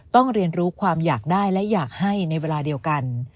เรียนรู้ความอยากได้และอยากให้ในเวลาเดียวกัน